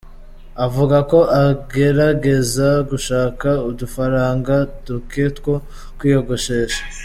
Avuga ko agerageza gushaka udufaranga duke two kwiyogoshesha.